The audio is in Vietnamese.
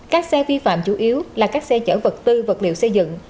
các xe vi phạm chủ yếu là các xe chở vật tư vật liệu xây dựng